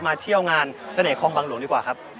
มาเที่ยวงานเสน่ห้อบางหลวงดีกว่าครับ